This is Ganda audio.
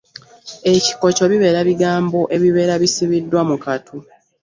Ekikokyo bibeera bigambo ebibeera bisibiddwa mu katu.